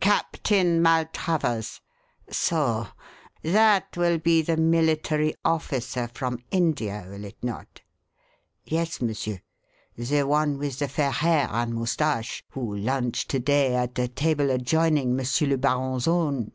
"Captain Maltravers? So! That will be the military officer from India, will it not?" "Yes, Monsieur; the one with the fair hair and moustache who lunched to day at the table adjoining Monsieur le Baron's own."